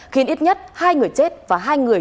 khiến ít nhất hai người chết và hai người